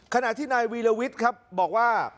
ขณะที่นายวิลวิทย์บอกว่า